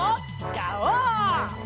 ガオー！